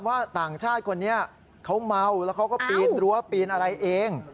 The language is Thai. ว่าต่างชาติคนนี้เขาเมาแล้วเขาก็ปีนรั้วปีนอะไรเอง